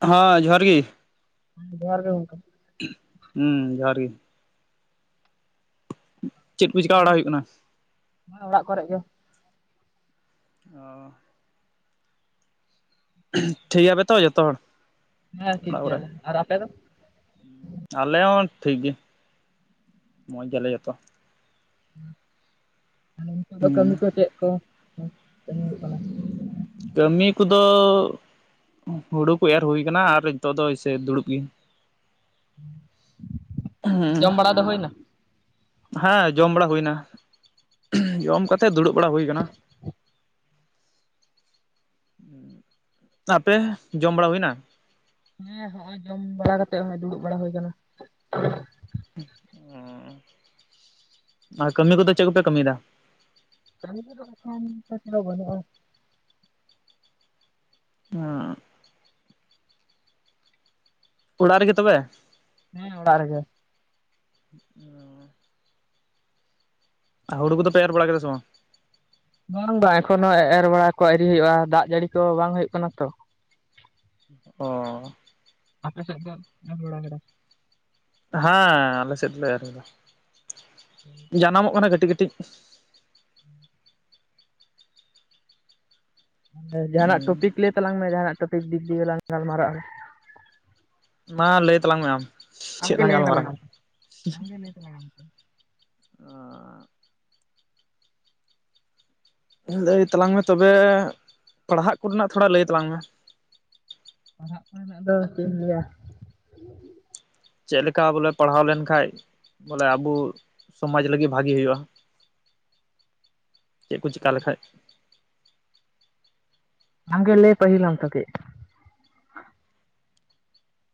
ᱦᱟᱸ ᱡᱚᱦᱟᱨ ᱜᱮ ᱾ ᱡᱚᱦᱟᱨ ᱜᱮ ᱜᱚᱢᱠᱮ ᱾ [unintelligible] ᱦᱩᱸ ᱡᱚᱦᱟᱨ ᱜᱮ᱾ [unintelligible] ᱪᱮᱫ ᱠᱚ ᱪᱤᱠᱟ. ᱵᱟᱲᱟ ᱦᱩᱭᱩᱜ ᱠᱟᱱᱟ ᱾ ᱚᱜ [inaudible] ᱚᱲᱟᱜ ᱠᱚᱨᱮ ᱜᱮ ᱚᱻᱻ ᱩᱺᱼᱷ ᱴᱷᱤᱠ ᱜᱮᱭᱟᱯᱮ ᱛᱚ ᱡᱚᱛᱚ ᱦᱚᱲ ᱦᱮᱸ ᱴᱷᱤᱠ ᱚᱲᱟᱜ ᱠᱚᱨᱮ ᱜᱮᱭᱟᱞᱮ᱾ ᱟᱨ ᱟᱯᱮ ᱫᱚ? ᱟᱞᱮ ᱦᱚᱸ ᱴᱷᱤᱠ ᱜᱮ᱾ ᱢᱚᱡᱽ ᱜᱮᱭᱟᱞᱮ ᱡᱚᱛᱚ᱾ [inaudible] ᱠᱟᱹᱢᱤ ᱦᱩᱸ ᱠᱚ ᱪᱮᱫ ᱠᱚ [inaudible] ᱠᱟᱹᱢᱤ ᱠᱚᱫᱚ ᱦᱩᱲᱩ ᱠᱚ ᱮᱨ ᱦᱩᱭᱩ ᱠᱟᱱᱟ ᱟᱨ ᱱᱤᱛᱚᱜ ᱫᱚ ᱮᱭᱥᱮ ᱫᱩᱲᱩᱵ ᱜᱮ᱾ ᱡᱚᱢ ᱵᱟᱲᱟ ᱫᱚ ᱦᱩᱭ ᱮᱱᱟ᱾ ᱦᱟᱸ ᱡᱚᱢ ᱵᱟᱲᱟ ᱦᱩᱭᱮᱱᱟ᱾ ᱡᱚᱢ ᱠᱟᱛᱮ ᱫᱩᱲᱩᱵ ᱵᱟᱲᱟ ᱦᱩᱭ ᱠᱟᱱᱟ᱾ [inaudible] ᱟᱯᱮ ᱡᱚᱢ ᱵᱟᱲᱟ ᱦᱩᱭᱮᱱᱟ? [unintelligible] ᱠᱟᱛᱮᱜ ᱱᱚᱜ-ᱚᱭ ᱫᱩᱲᱩᱵ ᱵᱟᱲᱟ ᱦᱩᱭ ᱟᱠᱟᱱᱟ᱾ ᱟᱨ ᱠᱟᱹᱢᱤ ᱠᱚᱫᱚ ᱪᱮᱫ ᱠᱚᱯᱮ ᱠᱟᱹᱢᱤ ᱭᱮᱫᱟ? [inaudible] [unintelligible] ᱚᱲᱟᱜ ᱨᱮᱜᱮ ᱛᱚᱵᱮ? ᱦᱮᱸ ᱚᱲᱟᱜ ᱜᱮ? [inaudible] ᱦᱩᱲᱩ ᱠᱚᱫᱚ ᱯᱮ ᱮᱨ ᱵᱟᱲᱟ ᱠᱮᱫᱟ ᱥᱮ ᱵᱟᱝ? ᱵᱟᱝ ᱵᱟᱝ ᱮᱠᱷᱚᱱ ᱱᱚᱶᱟ ᱮᱨ ᱵᱟᱲᱟ ᱠᱚ ᱟᱹᱣᱨᱤ ᱦᱩᱭᱩᱜᱼᱟ᱾ ᱫᱟᱜ ᱡᱟᱹᱲᱤ ᱠᱚ ᱵᱟᱝ ᱦᱩᱭᱩᱜ ᱠᱟᱱᱟ ᱛᱚ᱾ ᱚ᱾ [inaudible] ᱦᱟᱸ ᱟᱞᱮ ᱥᱮᱫ ᱞᱮ ᱮᱨ [inaudible] [inaudible] ᱡᱟᱱᱟᱢᱚᱜ ᱠᱟᱱᱟ ᱠᱟᱹᱴᱤ ᱠᱟᱹᱴᱤᱡ᱾ ᱡᱟᱦᱟᱱᱟᱜ ᱦᱩᱸ ᱴᱚᱯᱤᱠ ᱞᱟᱹᱭ ᱛᱟᱞᱟᱝ ᱢᱮ᱾ ᱡᱟᱦᱟᱱᱟᱜ ᱴᱚᱯᱤᱠ ᱫᱤᱠ ᱫᱤᱭᱟᱹ ᱞᱟᱝ ᱜᱟᱞᱢᱟᱨᱟᱜ-ᱟ᱾ ᱢᱟ ᱞᱟᱹᱭ ᱛᱟᱞᱟᱝ ᱢᱮ ᱟᱢ᱾ ᱟᱢ ᱪᱮᱫ ᱜᱮ ᱞᱟᱝ ᱞᱟᱹᱭ ᱛᱟᱞᱟᱝ ᱜᱟᱞᱢᱟᱨᱟᱣᱟ? ᱟᱢ᱾ [unintelligible] ᱞᱟᱹᱭ ᱛᱟᱞᱟᱝ ᱢᱮ ᱛᱚᱵᱮ, ᱯᱟᱲᱦᱟᱜ ᱠᱚᱨᱮᱱᱟᱜ ᱛᱷᱚᱲᱟ ᱞᱟᱹᱭ ᱛᱟᱞᱟᱝ ᱢᱮ᱾ [unintelligible] ᱪᱮᱫ ᱞᱮᱠᱟ ᱵᱚᱞᱮ ᱯᱟᱲᱦᱟᱣ ᱞᱮᱱᱠᱷᱟᱡ ᱵᱚᱞᱮ ᱟᱵᱩ ᱥᱚᱢᱟᱡᱽ ᱞᱟᱹᱜᱤ ᱵᱷᱟᱜᱤ ᱦᱩᱭᱩᱜ-ᱟ᱾ [inaudible] ᱪᱮᱫ ᱠᱚ ᱪᱤᱠᱟ ᱞᱮᱠᱷᱟᱡ? ᱟᱢᱜᱮ ᱞᱟᱹᱭ ᱯᱟᱦᱤᱞᱟᱢ ᱛᱚ ᱠᱟᱹᱡ᱾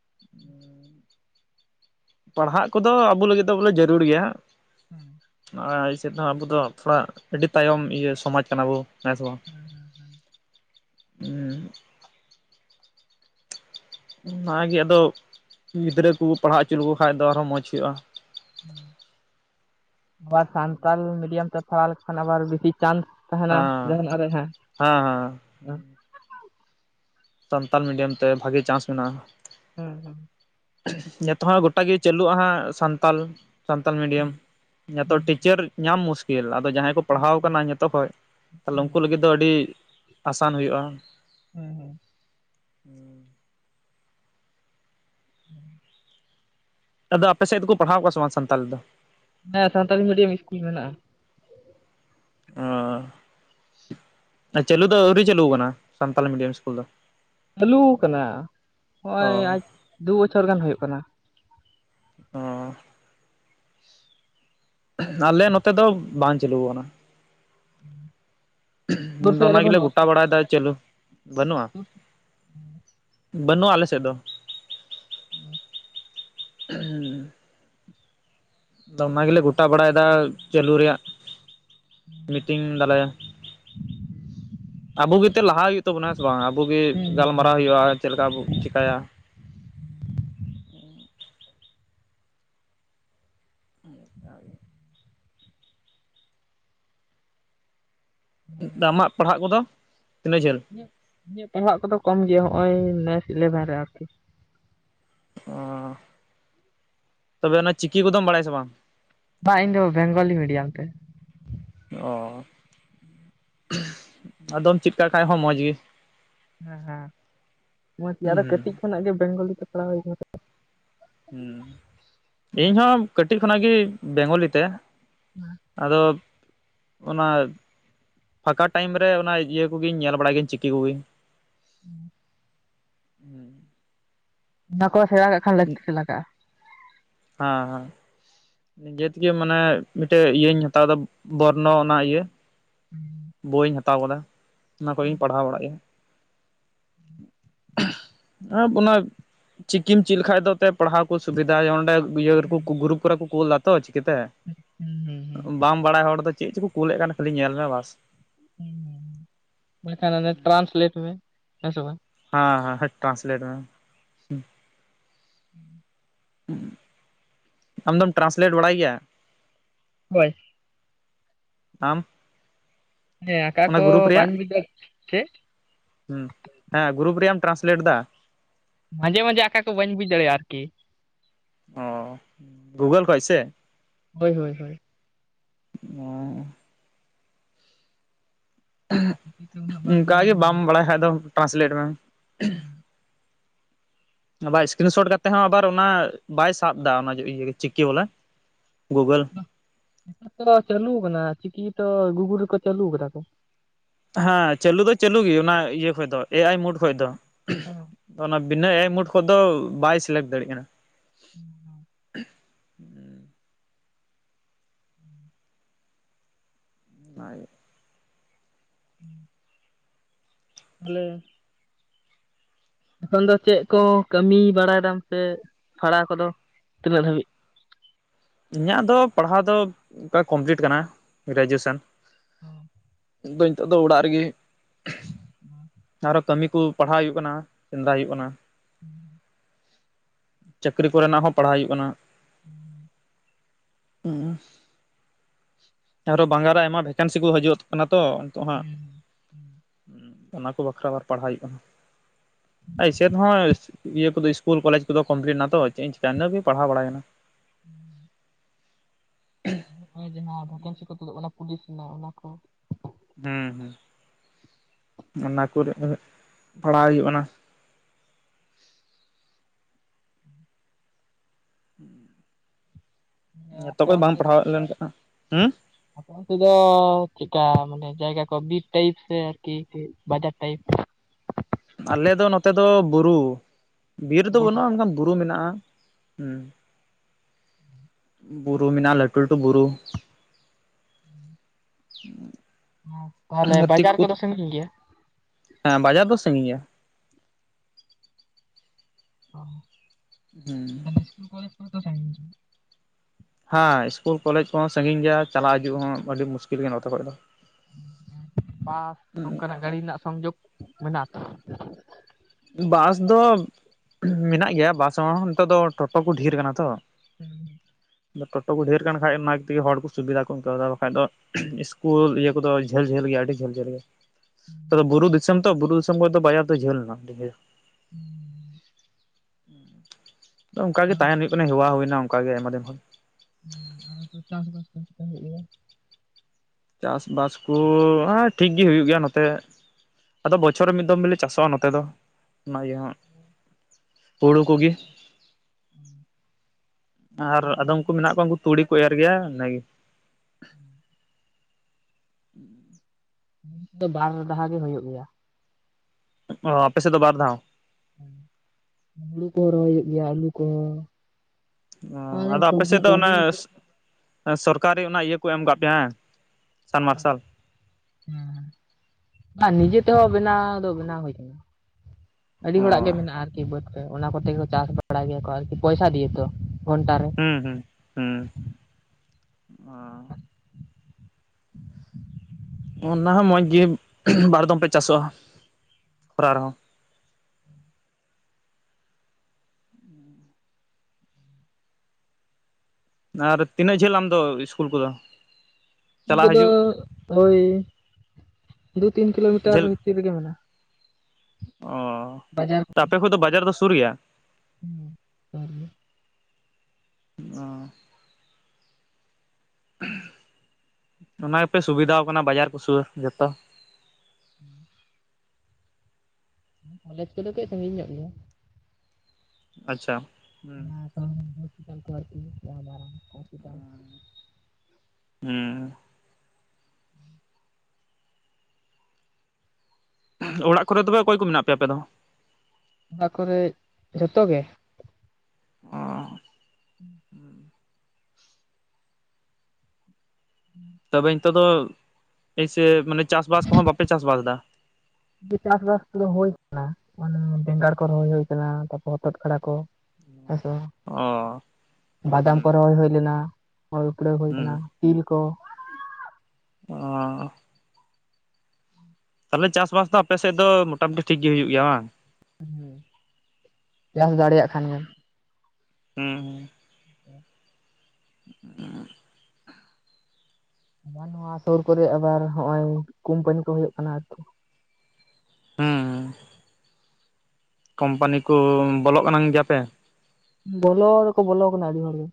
[inaudible] ᱯᱟᱲᱦᱟᱜ ᱠᱚᱫᱚ ᱟᱵᱩ ᱞᱟᱹᱜᱤᱫ ᱫᱚ ᱵᱚᱞᱮ ᱡᱟᱹᱨᱩᱲ ᱜᱮᱭᱟ᱾ [inaudible] ᱟᱻᱟᱡ ᱥᱮᱫ ᱫᱚ ᱟᱵᱚ ᱫᱚ ᱛᱷᱚᱲᱟ ᱟᱹᱰᱤ ᱛᱟᱭᱚᱢ ᱤᱭᱟᱹ ᱥᱚᱢᱟᱡᱽ ᱠᱟᱱᱟ ᱵᱚ ᱦᱮᱸ ᱥᱮ ᱵᱟᱝ᱾ [inaudible] ᱚᱱᱟ ᱜᱮ ᱟᱫᱚ ᱜᱤᱫᱽᱨᱟᱹ ᱠᱩ ᱵᱚ ᱯᱟᱲᱦᱟᱣ ᱦᱚᱪᱚ ᱞᱮᱠᱩ ᱠᱷᱟᱡ ᱫᱚ ᱟᱨᱦᱚᱸ ᱢᱚᱸᱡᱽ ᱦᱩᱭᱩᱜ-ᱟ᱾ ᱱᱚᱶᱟ ᱥᱟᱱᱛᱟᱞ ᱢᱤᱰᱤᱭᱟᱢ ᱛᱮ ᱯᱟᱲᱦᱟᱣ ᱞᱮᱠᱚ ᱠᱷᱟᱱ ᱟᱵᱟᱨ ᱵᱤᱥᱤ ᱪᱟᱸᱱᱥ ᱛᱟᱦᱮᱱᱟ ᱡᱟᱦᱟᱱᱟᱜ ᱨᱮ ᱱᱷᱟᱜ᱾ ᱦᱟᱸ ᱦᱟᱸ ᱦᱟᱸ᱾ ᱥᱟᱱᱛᱟᱞ ᱢᱤᱰᱤᱭᱟᱢ ᱛᱮ ᱵᱷᱟᱜᱤ ᱪᱟᱱᱥ ᱢᱮᱱᱟᱜ-ᱟ᱾ [inaudible] ᱱᱮᱛᱚᱜ ᱦᱟᱸᱜ ᱜᱚᱴᱟ ᱜᱮ ᱪᱟᱹᱞᱩᱜ ᱟ ᱦᱟᱸᱜ ᱥᱟᱱᱛᱟᱞ ᱥᱟᱱᱛᱟᱞ ᱢᱤᱰᱤᱭᱟᱹᱢ ᱱᱤᱛᱚᱜ ᱴᱤᱪᱟᱨ ᱧᱟᱢ ᱢᱩᱥᱠᱤᱞ ᱟᱫᱚ ᱡᱟᱦᱟᱸᱭ ᱠᱚ ᱯᱟᱲᱦᱟᱣ ᱟᱠᱟᱱᱟ ᱧᱚᱛᱚ ᱠᱷᱚᱡ ᱮᱠᱷᱟᱱ ᱦᱮᱸ ᱩᱱᱠᱩ ᱞᱟᱹᱜᱤᱫ ᱫᱚ ᱟᱹᱰᱤᱜ ᱟᱥᱟᱱ ᱦᱩᱭᱩᱜ-ᱟ᱾ [inaudible] [inaudible] [inaudible] ᱟᱫᱚ ᱟᱯᱮ ᱥᱮ ᱫᱩᱠᱩ ᱯᱟᱲᱦᱟᱣ ᱠᱚᱣᱟ ᱥᱮ ᱵᱟᱝ ᱥᱟᱱᱛᱟᱞ ᱫᱚ ᱦᱮᱸ ᱥᱟᱶᱛᱟᱞᱤ ᱢᱤᱰᱤᱭᱟᱢ ᱤᱥᱠᱩᱞ ᱢᱮᱱᱟ-ᱟ ᱚ ᱟᱨ ᱪᱟᱹᱞᱩ ᱫᱚ ᱟᱹᱣᱨᱤ ᱪᱟᱹᱞᱩ ᱠᱟᱱᱟ ᱥᱟᱱᱛᱟᱞᱤ ᱢᱤᱰᱤᱭᱟᱢ ᱤᱥᱠᱩᱞ ᱫᱚ ᱪᱟᱹᱞᱩ ᱟᱠᱟᱱᱟ ᱚ ᱦᱚᱸᱚᱭ ᱟᱪ ᱫᱩ ᱵᱚᱪᱷᱚᱨ ᱜᱟᱱ ᱦᱩᱭᱩᱜ ᱠᱟᱱᱟ ᱚ ᱟᱞᱮ ᱱᱚᱛᱮ ᱫᱚ ᱵᱟᱝ ᱪᱟᱹᱞᱩ ᱠᱟᱱᱟ ᱥᱩᱨ ᱟᱫ ᱥᱮᱫ ᱨᱮ ᱚᱱᱟ ᱜᱮᱞᱮ ᱵᱟᱹᱱᱩᱜᱼᱟ ᱜᱚᱴᱟ ᱵᱟᱲᱟᱭᱫᱟ ᱪᱟᱹᱞᱩ ᱵᱟᱹᱱᱩᱟ ᱦᱩᱸ ᱵᱟᱹᱱᱩ-ᱟ ᱟᱞᱮ ᱥᱮᱫ ᱫᱚ [inaudible] ᱦᱩᱸ ᱟᱫᱚ ᱚᱱᱟ ᱜᱮᱞᱮ ᱜᱚᱴᱟ ᱵᱟᱲᱟᱭ ᱫᱟ ᱪᱟᱹᱞᱩ ᱨᱮᱭᱟᱜ ᱢᱤᱴᱤᱝ ᱫᱟᱞᱮ ᱟᱵᱚ ᱜᱮᱛᱮ ᱞᱟᱦᱟ ᱦᱩᱭᱩᱜ ᱛᱟᱵᱚᱱᱟ ᱦᱮᱸ ᱥᱮ ᱵᱟᱝ ᱟᱵᱚᱜᱮ ᱦᱩᱸ ᱜᱟᱞᱢᱟᱨᱟᱣ ᱦᱩᱭᱩ ᱟ ᱪᱮᱫ ᱞᱮᱠᱟ ᱵᱚ ᱪᱮᱠᱟ ᱭᱟ [unintelligible] ᱫᱟ ᱟᱢᱟᱜ ᱯᱟᱲᱦᱟᱜ ᱠᱚᱫᱚ ᱛᱤᱱᱟᱹᱜ ᱡᱷᱟᱹᱞ ᱤᱧᱟᱹᱜ ᱯᱟᱲᱦᱟᱜ ᱠᱚᱫᱚ ᱠᱚᱢ ᱜᱮᱭᱟ ᱦᱚ ᱚᱭ ᱱᱮᱥ ᱤᱞᱮᱵᱷᱮᱱ ᱨᱮ ᱟᱨᱠᱤ ᱚ ᱛᱚᱵᱮ ᱚᱱᱟ ᱪᱤᱠᱤ ᱠᱚᱫᱚᱢ ᱵᱟᱲᱟᱭᱟ ᱥᱮ ᱵᱟᱝ ᱵᱟ ᱤᱧ ᱫᱚ ᱵᱮᱝᱜᱚᱞᱤ ᱢᱤᱰᱤᱭᱟᱢ ᱛᱮ ᱚᱻ ᱟᱫᱚᱢ ᱪᱤᱫᱠᱟ ᱠᱷᱟᱡ ᱦᱚᱸ ᱢᱚᱸᱡᱽ ᱜᱤ ᱦᱮᱸ ᱦᱮᱸ ᱢᱚᱡᱽ ᱜᱤ ᱟᱫᱚ ᱦᱩᱸ ᱠᱟᱹᱴᱤᱡ ᱠᱷᱚᱱᱟᱜ ᱜᱮ ᱵᱮᱝᱜᱚᱞᱤ ᱛᱮ ᱯᱟᱲᱦᱟᱣ ᱦᱩᱭ ᱠᱟᱱᱟ ᱛᱚ ᱦᱩᱸ ᱤᱧ ᱦᱚᱸ ᱠᱟᱹᱴᱤᱡ ᱠᱷᱚᱱᱟᱜ ᱜᱤ ᱵᱮᱝᱜᱚᱞᱤ ᱛᱮ ᱦᱸ ᱟᱫᱚ ᱚᱱᱟ ᱯᱷᱟᱸᱠᱟ ᱴᱟᱭᱤᱢ ᱨᱮ ᱚᱱᱟ ᱤᱭᱟᱹ ᱠᱚᱜᱮᱧ ᱧᱮᱞ ᱵᱟᱲᱟᱭ ᱜᱤᱭᱟᱹᱧ ᱪᱤᱠᱤ ᱠᱩᱜᱤ [unintelligible] ᱚᱱᱟ ᱠᱚ ᱥᱮᱬᱟ ᱠᱟᱜ ᱠᱷᱟᱱᱟ ᱞᱟᱹᱠᱛᱤ ᱠᱚ ᱞᱟᱜᱟᱜᱼᱟ ᱦᱟᱸ ᱦᱟᱸ ᱱᱤᱡᱮ ᱛᱤᱜᱤ ᱢᱟᱱᱮ ᱢᱤᱫᱴᱮᱡ ᱤᱭᱟᱹᱧ ᱦᱟᱛᱟᱣ ᱮᱫᱟ ᱵᱚᱨᱱᱚ ᱚᱱᱟ ᱤᱭᱟᱹ ᱵᱳᱭᱤᱧ ᱦᱟᱛᱟᱣ ᱠᱟᱫᱟ ᱚᱱᱟ ᱠᱚᱜᱤᱧ ᱯᱟᱲᱦᱟᱣ ᱵᱟᱲᱟᱜ ᱜᱮᱭᱟ [unintelligible] ᱚᱱᱟ ᱪᱤᱠᱤᱢ ᱪᱤᱫ ᱞᱮᱠᱷᱟᱡ ᱫᱚ ᱛᱮ ᱯᱟᱲᱦᱟᱣ ᱠᱚ ᱥᱩᱵᱤᱫᱟ ᱦᱩᱭᱩ ᱚᱸᱰᱮ ᱤᱭᱟᱹ ᱠᱩ ᱜᱨᱩᱨᱩᱯ ᱠᱚᱨᱮ ᱠᱩ ᱠᱳᱞ ᱫᱟᱛᱚ ᱪᱤᱠᱤᱛᱮ ᱦᱩᱸ ᱦᱩᱸ ᱦᱩᱸ ᱵᱟᱲᱟᱭ ᱦᱚᱲ ᱫᱚ ᱪᱮᱫ ᱪᱚ ᱠᱚ ᱠᱩᱞᱮᱫ ᱠᱟᱱ ᱠᱷᱟᱹᱞᱤ ᱧᱮᱞ ᱢᱮ ᱵᱟᱥ ᱢᱟ ᱛᱷᱟᱞᱮ ᱴᱨᱟᱱᱥ ᱞᱮᱴ ᱢᱮ ᱦᱮᱸ ᱥᱮ ᱵᱟᱝ ᱦᱟᱸ ᱦᱟᱸ ᱴᱨᱟᱱᱥ ᱞᱮᱴ ᱢᱮ ᱦᱩᱸ ᱟᱢ ᱫᱚᱢ ᱴᱨᱟᱱᱥᱞᱮᱴ ᱵᱟᱲᱟᱭ ᱜᱮᱭᱟ ᱦᱳᱭ ᱟᱢ ᱦᱮᱸ ᱟᱠᱟ ᱚᱱᱟ ᱠᱚ ᱜᱨᱩᱯ ᱨᱮᱭᱟᱜ ᱵᱟᱹᱧ ᱵᱩᱡᱫᱟᱲᱮᱜ ᱪᱮ ᱦᱮᱸ ᱜᱨᱩᱯ ᱨᱮᱭᱟᱜ ᱮᱢ ᱴᱨᱟᱱᱥ ᱞᱮᱴ ᱫᱟ ᱢᱟᱡᱷᱮ ᱢᱟᱡᱷᱮ ᱟᱠᱟ ᱠᱚ ᱵᱟᱹᱧ ᱵᱩᱡᱽ ᱫᱟᱲᱮᱭᱟᱜ ᱟᱨ ᱠᱤ ᱚ ᱜᱩᱜᱚᱞ ᱠᱷᱚᱡ ᱥᱮ ᱦᱳᱭ ᱦᱳᱭ ᱦᱳᱭ ᱪᱤᱠᱤ ᱛᱚ ᱩᱱᱟᱹᱜ ᱵᱟᱝ ᱩᱝᱠᱟ ᱜᱤ ᱵᱟᱲᱟᱭ ᱵᱟᱢ ᱜᱮᱭᱟ ᱵᱟᱲᱟᱭ ᱠᱷᱟᱡ ᱫᱚ ᱴᱨᱟᱱᱥ ᱞᱮᱴ ᱢᱮ ᱟᱵᱟᱨ ᱤᱥᱠᱨᱤᱱ ᱥᱚᱴ ᱠᱟᱛᱮᱫ ᱦᱚᱸ ᱟᱵᱟᱨ ᱚᱱᱟ ᱵᱟᱭ ᱥᱟᱵ ᱮᱫᱟ ᱚᱱᱟ ᱪᱤᱠᱤ ᱵᱚᱞᱮ ᱜᱩᱜᱚᱞ [unintelligible] ᱪᱟᱹᱞᱩ ᱠᱟᱱᱟ ᱪᱤᱠᱤ ᱛᱚ ᱜᱩᱜᱩᱞ ᱨᱮᱠᱚ ᱪᱟᱹᱟᱞᱩ ᱠᱟᱫᱟ ᱠᱚ᱾ ᱦᱮᱸ ᱪᱟᱹᱞᱩ ᱫᱚ ᱪᱟᱹᱞᱩ ᱜᱮ ᱚᱱᱟ ᱤᱭᱟᱹ ᱠᱷᱚᱡᱽ ᱫᱚ ᱮ ᱟᱭ ᱢᱳᱰ ᱠᱷᱚᱡᱽ ᱫᱚ ᱚ ᱚᱱᱟ ᱵᱤᱱᱟᱹ ᱮ ᱟᱭ ᱢᱳᱰ ᱠᱷᱚᱰ ᱫᱚ ᱵᱟᱭ ᱥᱤᱞᱮᱠᱴ ᱫᱟᱲᱮᱭᱟᱜ ᱠᱟᱱᱟ᱾ [unintelligible] ᱚᱱᱟ ᱜᱮ [inaudible] ᱵᱚᱞᱮ ᱮᱠᱷᱚᱱ ᱫᱚ ᱪᱮᱫ ᱠᱚ ᱠᱟᱹᱢᱤ ᱵᱟᱲᱟᱭ ᱫᱟᱢ ᱥᱮ ᱯᱟᱲᱦᱟᱣ ᱠᱚᱫᱚ ᱛᱤᱱᱟᱹᱜ ᱫᱷᱟᱹᱵᱤᱡᱽ ᱤᱧᱟᱹᱜ ᱫᱚ ᱯᱟᱲᱦᱟᱣ ᱫᱚ ᱚᱠᱟ ᱠᱚᱢᱯᱞᱤᱴ ᱠᱟᱱᱟ ᱜᱨᱮᱡᱩᱭᱮᱥᱚᱱ ᱚ ᱤᱧ ᱫᱚ ᱱᱤᱛᱚᱜ ᱫᱚ ᱚᱲᱟᱜ ᱨᱮᱜᱮ᱾ ᱟᱨᱚ ᱠᱟᱹᱢᱤ ᱠᱚ ᱯᱟᱲᱦᱟᱣ ᱦᱩᱭᱩᱜ ᱠᱟᱱᱟ ᱥᱮᱸᱫᱽᱨᱟ ᱦᱩᱭᱩᱜ ᱠᱟᱱᱟ᱾ [inaudible] ᱪᱟᱹᱠᱨᱤ ᱠᱚᱨᱮᱱᱟᱜ ᱦᱚᱸ ᱯᱟᱲᱦᱟᱣ ᱦᱩᱭᱩᱜ ᱠᱟᱱᱟ᱾ [inaudible] ᱚᱸ ᱟᱨᱚ ᱵᱟᱝᱞᱟᱨᱮ ᱟᱭᱢᱟ ᱵᱷᱮᱠᱮᱱᱥᱤ ᱠᱚ ᱦᱤᱡᱩᱜ ᱠᱟᱱᱟ ᱛᱚ ᱱᱤᱛᱳ ᱦᱟᱸᱜ ᱚᱱᱟ ᱠᱚ ᱵᱟᱠᱷᱨᱟ ᱟᱵᱟᱨ ᱯᱟᱲᱦᱟᱣ ᱦᱩᱭᱩᱜ ᱠᱟᱱᱟ ᱮᱭᱥᱮ ᱛᱮᱦᱚᱸ ᱤᱭᱟᱹ ᱠᱚᱫᱚ ᱤᱥᱠᱩᱞ ᱠᱚᱞᱮᱡᱽ ᱠᱚᱫᱚ ᱠᱚᱢᱯᱞᱤᱴ ᱱᱟᱛᱚ ᱪᱮᱫ ᱤᱧ ᱪᱮᱠᱟᱭᱟ, ᱤᱱᱟᱹᱜ ᱠᱚ ᱜᱮ ᱯᱟᱲᱦᱟᱣ ᱵᱟᱲᱟᱭ ᱮᱱᱟ᱾ [inaudible] [unintelligible] ᱱᱚᱜ ᱚᱭ ᱡᱟᱦᱟᱸ ᱵᱷᱮᱠᱮᱱᱥᱤ ᱠᱚᱫᱚ ᱛᱩᱫᱩᱜ ᱠᱟᱱᱟ ᱯᱩᱞᱤᱥ ᱨᱮᱱᱟᱜ ᱚᱱᱟ ᱠᱚ ᱦᱩᱸ ᱦᱩ ᱚᱱᱟ ᱠᱚᱨᱮ ᱯᱟᱲᱦᱟᱣ ᱦᱩᱭᱩᱜ ᱟᱱᱟ᱾ ᱱᱮᱛᱚ ᱟᱯᱮ ᱠᱷᱚᱡᱽ ᱵᱟᱢ ᱚᱱᱛᱮ ᱫᱚ ᱯᱟᱲᱦᱟᱣ ᱞᱮᱱᱠᱷᱟᱱ, ᱦᱩᱸ ᱟᱯᱮ ᱚᱱᱛᱮ ᱫᱚ ᱪᱮᱫ ᱞᱮᱠᱟ, ᱢᱟᱱᱮ ᱡᱟᱭᱜᱟ ᱠᱚ ᱵᱤᱨ ᱴᱟᱭᱤᱯ ᱥᱮ ᱟᱨᱠᱤ ᱵᱟᱡᱟᱨ ᱴᱟᱭᱤᱯ? ᱟᱞᱮ ᱫᱚ ᱱᱚᱛᱮ ᱫᱚ ᱵᱩᱨᱩ ᱵᱤᱨ ᱫᱚ ᱵᱟᱹᱱᱩᱜᱼᱟ, ᱢᱮᱱᱠᱷᱟᱱ ᱵᱩᱨᱩ ᱢᱮᱱᱟᱜᱼᱟ᱾ ᱦᱩᱸ, ᱵᱩᱨᱩ ᱢᱮᱱᱟᱜ-ᱟ ᱞᱟᱹᱴᱷᱩ ᱞᱟᱹᱴᱷᱩ ᱵᱩᱨᱩ [inaudible] ᱟᱨ ᱛᱟᱦᱚᱞᱮ ᱦᱟᱹᱛᱤ ᱵᱟᱡᱟᱨ ᱠᱩᱫ ᱠᱚᱫᱚ ᱥᱟᱺᱜᱤᱧ ᱜᱮᱭᱟ? ᱦᱮᱸ ᱵᱟᱡᱟᱨ ᱫᱚ ᱥᱟᱺᱜᱤᱧ ᱜᱮᱭᱟ᱾ ᱚ ᱩᱸ [unintelligible] ᱦᱮᱸ ᱤᱥᱠᱩᱞ ᱠᱚᱞᱮᱡᱽ ᱠᱚᱦᱚᱸ ᱥᱟᱺᱜᱤᱧ ᱜᱮᱭᱟ ᱪᱟᱞᱟᱜ ᱦᱤᱡᱩᱜ ᱦᱚᱸ ᱟᱹᱰᱤ ᱢᱩᱥᱠᱤᱞ ᱜᱮᱭᱟ ᱱᱚᱛᱮ ᱠᱷᱚᱱ ᱫᱚ᱾ ᱵᱟᱥ ᱱᱚᱝᱠᱟᱱᱟᱜ ᱜᱟᱹᱰᱤ ᱨᱮᱱᱟᱜ ᱥᱚᱝᱡᱳᱜᱽ ᱢᱮᱱᱟᱜ ᱛᱚ᱾ ᱵᱟᱥ ᱫᱚ ᱢᱮᱱᱟᱜ ᱜᱮᱭᱟ ᱵᱟᱥ ᱦᱚᱸ ᱱᱤᱛᱚᱜ ᱫᱚ ᱴᱳᱴᱳ ᱠᱚ ᱰᱷᱮᱨ ᱠᱟᱱᱟ ᱛᱚ᱾ [unintelligible] ᱫᱚ ᱴᱳᱴᱳ ᱠᱚ ᱰᱷᱮᱨ ᱠᱟᱱ ᱠᱷᱟᱱ ᱚᱱᱟ ᱛᱮᱜᱮ ᱦᱚᱲ ᱠᱚ ᱥᱩᱵᱤᱫᱷᱟ ᱠᱚ ᱟᱹᱭᱠᱟᱹᱣ ᱮᱫᱟ ᱵᱟᱝᱠᱷᱟᱱ ᱫᱚ ᱤᱥᱠᱩᱞ ᱤᱭᱟᱹ ᱠᱚᱫᱚ ᱡᱷᱟᱹᱞ ᱡᱷᱟᱹᱞ ᱜᱮᱭᱟ ᱟᱹᱰᱤ ᱡᱷᱟᱹᱞ ᱡᱷᱟᱹᱞ ᱜᱮᱭᱟ᱾ ᱛᱚᱵᱮ ᱵᱩᱨᱩ ᱫᱤᱥᱚᱢ ᱛᱚ ᱵᱩᱨᱩ ᱫᱤᱥᱚᱢ ᱠᱷᱚᱱ ᱫᱚ ᱵᱟᱡᱟᱨ ᱫᱚ ᱡᱷᱟᱹᱞ ᱮᱱᱟ ᱰᱷᱮᱨ [inaudible] ᱟᱫᱚ ᱚᱱᱠᱟ ᱜᱮ ᱟᱨ ᱛᱟᱦᱮᱱ ᱦᱩᱭᱩᱜ ᱠᱟᱱᱟ, ᱦᱮᱣᱟ ᱦᱩᱭ ᱮᱱᱟ ᱚᱱᱠᱟ ᱜᱮ ᱟᱭᱢᱟ ᱫᱤᱱ ᱠᱷᱚᱱ᱾ ᱟᱨ ᱚᱱᱛᱮ ᱪᱟᱥᱵᱟᱥ ᱫᱚ ᱪᱮᱫ ᱞᱮᱠᱟ ᱦᱩᱭᱩᱜ ᱜᱮᱭᱟ? ᱪᱟᱥᱵᱟᱥ ᱠᱚ ᱦᱚᱸ ᱴᱷᱤᱠ ᱜᱮ ᱦᱩᱭᱩᱜ ᱜᱮᱭᱟ ᱱᱚᱛᱮ ᱟᱫᱚ ᱵᱚᱪᱷᱚᱨ ᱨᱮ ᱢᱤᱫ ᱫᱚᱢ ᱜᱮᱞᱮ ᱪᱟᱥᱚᱜᱼᱟ, ᱱᱚᱛᱮ ᱫᱚ ᱚᱱᱟ ᱤᱭᱟᱹ ᱦᱩᱲᱩ ᱠᱚᱜᱤ᱾ [inaudible] ᱟᱨ ᱟᱫᱚᱢ ᱠᱚ ᱩᱱᱠᱩ ᱢᱮᱱᱟᱜ ᱠᱚᱣᱟ ᱩᱱᱠᱩ ᱛᱩᱲᱤ ᱠᱚ ᱮᱨ ᱜᱮᱭᱟ ᱤᱱᱟᱹᱜᱮ [inaudible] [inaudible] ᱫᱚ ᱵᱟᱨ ᱫᱷᱟᱣ ᱜᱮ ᱦᱩᱭᱩᱜ ᱜᱮᱭᱟ᱾ ᱚ ᱟᱯᱮ ᱥᱮᱫ ᱫᱚ ᱵᱟᱨ ᱫᱷᱟᱣ? ᱦᱩᱲᱩ ᱠᱚᱦᱚᱸ ᱨᱚᱦᱚᱭ ᱦᱩᱭᱩᱜ ᱜᱮᱭᱟ ᱟᱹᱞᱩ ᱠᱚᱦᱚᱸ᱾ ᱚ ᱟᱫᱚ ᱟᱯᱮ ᱥᱮᱫ ᱫᱚ ᱥᱚᱨᱠᱟᱨᱤ ᱚᱱᱟ ᱤᱭᱟᱹ ᱠᱚ ᱮᱢ ᱠᱟᱜ ᱯᱮᱭᱟ ᱦᱮᱸ ᱥᱟᱱ ᱢᱟᱨᱥᱟᱞ᱾ ᱦᱩᱸ ᱟᱨ ᱱᱤᱡᱮ ᱛᱮᱦᱚᱸ ᱵᱮᱱᱟᱣ ᱫᱚ ᱵᱮᱱᱟᱣ ᱦᱩᱭ ᱠᱟᱱᱟ᱾ ᱟᱹᱰᱤ ᱚ ᱦᱚᱲᱟᱜ ᱜᱮ ᱢᱮᱱᱟᱜᱼᱟ ᱟᱨᱠᱤ ᱵᱟᱹᱫᱽ ᱨᱮ ᱚᱱᱟ ᱠᱚᱛᱮ ᱜᱮᱠᱚ ᱪᱟᱥ ᱵᱟᱲᱟᱭ ᱜᱮᱭᱟ ᱠᱚ ᱟᱨᱠᱤ ᱯᱩᱭᱥᱟᱹ ᱫᱤᱭᱮ ᱛᱚ ᱜᱷᱚᱱᱴᱟ ᱨᱮ᱾ ᱦᱩᱸ ᱦᱩᱸ ᱦᱮᱸ ᱚᱱᱟ ᱦᱚᱸ ᱢᱚᱡᱽ ᱜᱮ ᱵᱟᱨ ᱫᱚᱢ ᱯᱮ ᱪᱟᱥᱚᱜᱼᱟ ᱠᱷᱚᱨᱟ ᱨᱮᱦᱚᱸ᱾ ᱟᱨ ᱛᱤᱱᱟᱹᱜ ᱡᱷᱟᱹᱞ ᱟᱢ ᱫᱚ ᱤᱥᱠᱩᱞ ᱠᱚᱫᱚ? ᱪᱟᱞᱟᱜ ᱱᱤᱛᱚᱜ ᱫᱚ ᱦᱤᱡᱩᱜ ᱦᱳᱣ ᱫᱩ ᱛᱤᱱ ᱠᱤᱞᱳᱢᱤᱴᱟᱨ ᱡᱷᱟᱹᱞ ᱵᱷᱤᱛᱤᱨ ᱨᱮᱜᱮ ᱢᱮᱱᱟᱜᱼᱟ᱾ ᱚ ᱵᱟᱡᱟᱨ ᱟᱯᱮ ᱠᱷᱚᱡ ᱫᱚ ᱵᱟᱡᱟᱨ ᱫᱚ ᱥᱩᱨ ᱜᱮᱭᱟ? ᱦᱮᱸ ᱥᱩᱨ ᱜᱮ ᱚ ᱚᱱᱟ ᱜᱮ ᱯᱮ ᱥᱩᱵᱤᱫᱷᱟᱮ ᱠᱟᱱᱟ ᱵᱟᱡᱟᱨ ᱠᱚ ᱥᱩᱩ ᱡᱚᱛᱚ᱾ [inaudible] ᱠᱚᱞᱮᱡᱽ ᱠᱚᱫᱚ ᱠᱟᱹᱡ ᱥᱟᱺᱜᱤᱧ ᱧᱚᱜ ᱜᱮᱭᱟ᱾ ᱟᱪᱪᱷᱟ, ᱦᱩᱸ [unintelligible] ᱦᱩᱸ ᱚᱲᱟᱜ ᱠᱚᱨᱮ ᱛᱚᱵᱮ ᱚᱠᱚᱭ ᱠᱚ ᱢᱮᱱᱟᱜ ᱯᱮᱭᱟ ᱟᱯᱮ ᱫᱚ? ᱚᱱᱟ ᱠᱚᱨᱮᱜ ᱡᱚᱛᱚ ᱜᱮ᱾ ᱚᱸ [inaudible] [inaudible] ᱛᱚᱵᱮ ᱱᱤᱛᱚᱜ ᱫᱚ ᱮᱭᱥᱮ ᱢᱟᱱᱮ ᱪᱟᱥ ᱵᱟᱥ ᱠᱚᱦᱚᱸ ᱵᱟᱯᱮ ᱪᱟᱥ ᱵᱟᱥᱫᱟ? ᱪᱟᱥᱵᱟᱥ ᱠᱚᱫᱚ ᱦᱩᱭ ᱠᱟᱱᱟ ᱢᱟᱱᱮ ᱵᱮᱸᱜᱟᱲ ᱠᱚ ᱨᱚᱦᱚᱭ ᱦᱩᱭ ᱠᱟᱱᱟ, ᱛᱟᱯᱚᱨ ᱦᱚᱛᱚᱛ ᱠᱷᱟᱲᱟ ᱠᱚ᱾ ᱦᱮᱸᱥᱮ ᱵᱟᱝ ᱚ ᱵᱟᱫᱟᱢ ᱠᱚ ᱦᱩᱸ ᱨᱚᱦᱚᱭ ᱦᱩᱭ ᱞᱮᱱᱟ᱾ ᱦᱚᱭ ᱩᱯᱲᱟᱹᱣ ᱦᱩᱭ ᱦᱩᱸ ᱠᱟᱱᱟ ᱛᱤᱞ ᱠᱚ᱾ ᱚᱸ ᱛᱟᱦᱞᱮ ᱪᱟᱥᱵᱟᱥ ᱫᱚ ᱟᱯᱮ ᱥᱮᱜ ᱫᱚ ᱢᱚᱴᱟᱢᱩᱴᱤ ᱴᱷᱤᱠ ᱜᱮ ᱦᱩᱭᱩᱜ ᱜᱮᱭᱟ ᱵᱟᱝ? ᱪᱟᱥ ᱫᱟᱲᱮᱭᱟᱜ ᱠᱷᱟᱱ ᱜᱮᱢ ᱦᱩᱸ ᱦᱩᱸ [inaudible] ᱟᱨ ᱱᱚᱣᱟ ᱥᱩᱨ ᱠᱚᱨᱮ ᱟᱵᱟᱨ ᱱᱚᱜᱼᱚᱭ ᱠᱚᱢᱯᱟᱱᱤ ᱠᱚ ᱦᱩᱭᱩᱜ ᱠᱟᱱᱟ ᱦᱤᱛᱚᱜ᱾ ᱦᱩᱸ ᱦᱩᱸ ᱠᱳᱢᱯᱟᱱᱤ ᱠᱚ ᱵᱚᱞᱚᱜ ᱠᱟᱱᱟ ᱜᱮᱭᱟᱯᱮ? ᱵᱚᱞᱚ ᱵᱚᱞᱚ ᱟᱠᱟᱱᱟ ᱟᱹᱰᱤ ᱦᱚᱲ ᱜᱮ᱾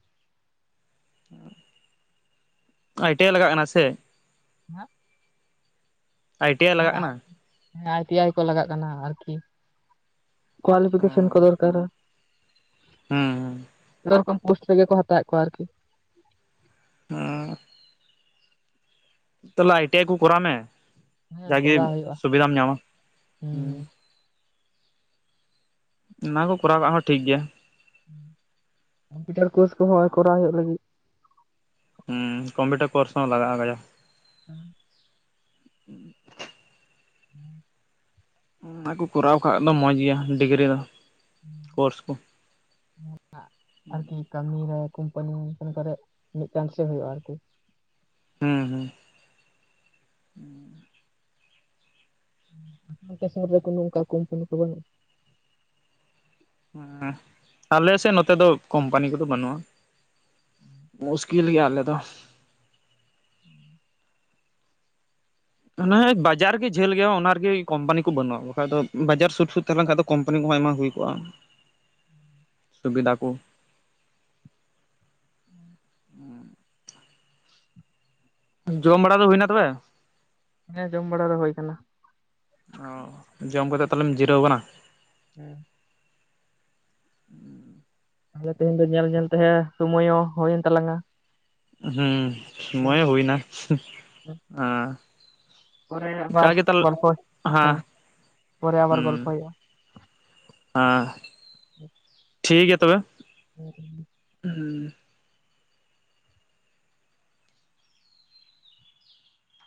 ᱟᱭᱹᱴᱤᱹᱟᱭᱹ ᱞᱟᱜᱟᱜ ᱠᱟᱱᱟ ᱥᱮᱜ? ᱦᱮᱸ ᱟᱭ ᱴᱤ ᱟᱭ ᱞᱟᱜᱟᱜ ᱠᱟᱱᱟ ᱦᱮᱸ ᱟᱭ ᱴᱤ ᱟᱭ ᱠᱚ ᱞᱟᱜᱟᱜ ᱠᱟᱱᱟ ᱟᱨᱠᱤ᱾ ᱠᱚᱣᱟᱞᱤ ᱚ ᱯᱷᱤᱠᱮᱥᱚᱱ ᱠᱚ ᱫᱚᱨᱠᱟᱨᱟ᱾ ᱦᱩᱸ ᱨᱚᱠᱚᱢ ᱯᱳᱥᱴ ᱛᱮᱜᱮ ᱠᱚ ᱦᱟᱛᱟᱣᱮᱜ ᱠᱚᱣᱟ ᱟᱨᱠᱤ᱾ ᱚᱸ ᱛᱟᱦᱞᱮ ᱟᱭ ᱴᱤ ᱟᱭ ᱠᱚ ᱠᱚᱨᱟᱣ ᱢᱮ ᱦᱮᱸ ᱡᱟᱜᱮ ᱠᱚᱨᱟᱣ ᱦᱩᱭᱩᱜᱼᱟ ᱥᱩᱵᱤᱫᱦᱟᱢ ᱧᱟᱢᱟ ᱦᱩᱸ ᱦᱮᱸ᱾ ᱦᱩᱸ ᱚᱱᱟ ᱠᱚ ᱠᱚᱨᱟᱣ ᱠᱟᱜ ᱦᱚᱸ ᱴᱷᱤᱠ ᱜᱮᱭᱟ᱾ ᱠᱚᱢᱯᱭᱩᱴᱟᱨ ᱠᱳᱨᱥ ᱠᱚᱦᱚᱸ ᱠᱚᱨᱟᱣ ᱦᱩᱭᱩᱜ ᱞᱟᱹᱜᱤᱫ᱾ ᱦᱚᱸ ᱠᱚᱢᱯᱭᱩᱴᱟᱨ ᱠᱳᱨᱥ ᱦᱚᱸ ᱞᱟᱜᱟᱜᱼᱟ ᱠᱟᱡᱟ ᱦᱩᱸ [unintelligible] ᱦᱮᱸ [unintelligible] ᱚᱱᱟ ᱠᱚ ᱠᱚᱨᱟᱣ ᱠᱟᱜ ᱫᱚ ᱢᱚᱸᱡᱽ ᱜᱮᱭᱟ ᱰᱤᱜᱽᱨᱤ ᱫᱚ ᱠᱳᱨᱥ ᱠᱚ ᱟᱨᱠᱤ ᱠᱟᱹᱢᱤ ᱨᱮ ᱠᱳᱢᱯᱟᱹᱱᱤ ᱠᱚ ᱢᱤᱫᱴᱟᱝ ᱥᱮ ᱦᱳᱭᱼᱟ ᱟᱨᱠᱤ ᱦᱮᱸ ᱦᱩᱸ ᱟᱯᱮᱥᱩᱨ ᱨᱮᱫᱚ ᱱᱚᱝᱠᱟᱱ ᱠᱚᱢᱯᱟᱹᱱᱤ ᱠᱚ ᱵᱟᱹᱱᱩᱜ ᱟ ᱦᱮᱸ ᱟᱞᱮ ᱥᱮᱫ ᱱᱚᱛᱮ ᱫᱚ ᱠᱚᱢᱯᱟᱹᱱᱤ ᱠᱚᱫᱚ ᱵᱟᱹᱱᱩᱜᱼᱟ ᱢᱩᱥᱠᱤᱞ ᱜᱮᱭᱟ ᱟᱞᱮ ᱫᱚ ᱦᱟᱱᱮ ᱵᱟᱡᱟᱨ ᱜᱮ ᱡᱷᱟᱹᱞ ᱜᱮᱭᱟ ᱚᱱᱟ ᱨᱮᱜᱮ ᱠᱚᱢᱯᱟᱹᱱᱤ ᱠᱚ ᱵᱟᱹᱱᱩᱜᱼᱟ ᱵᱟᱠᱷᱟᱡ ᱫᱚ ᱵᱟᱡᱟᱨ ᱥᱩᱨ ᱥᱩᱫ ᱛᱟᱦᱮᱸ ᱞᱮᱠᱷᱟᱡ ᱫᱚ ᱠᱚᱢᱯᱟᱹᱱᱤ ᱠᱚᱦᱚᱸ ᱟᱭᱢᱟ ᱦᱩᱭ ᱠᱚᱜᱼᱟ [unintelligible] ᱥᱩᱵᱤᱫᱟ ᱠᱚ ᱡᱚᱢ ᱵᱟᱲᱟ ᱫᱚ ᱦᱩᱭᱮᱱᱟ ᱛᱚᱵᱮ ᱦᱮᱸ ᱡᱚᱢ ᱵᱟᱲᱟ ᱫᱚ ᱦᱩᱭ ᱟᱠᱟᱱᱟ ᱚᱸ ᱡᱚᱢ ᱠᱟᱛᱮ ᱛᱟᱦᱞᱮᱢ ᱡᱤᱨᱟᱹᱣ ᱟᱠᱟᱱᱟ ᱦᱮᱸ [unintelligible] ᱛᱟᱦᱞᱮ ᱛᱮᱦᱮᱧ ᱫᱚ ᱧᱮᱞ ᱧᱮᱞ ᱛᱮ ᱥᱳᱢᱚᱭ ᱦᱚᱸ ᱦᱩᱭᱮᱱ ᱛᱟᱞᱟᱝᱼᱟ ᱦᱚᱸ ᱥᱚᱢᱚᱭ ᱦᱚᱸ ᱦᱩᱭ ᱱᱟ ᱦᱮᱸ ᱯᱚᱨᱮ ᱟᱵᱟᱨ ᱜᱚᱞᱯᱚ ᱦᱮᱸ ᱯᱚᱨᱮ ᱟᱵᱟᱨ ᱜᱚᱞᱯᱚᱭ ᱦᱩᱭᱩᱜᱼᱟ ᱦᱟᱸ ᱴᱷᱤᱠ ᱜᱮᱭᱟ ᱛᱚᱵᱮ [inaudible] ᱦᱩᱸ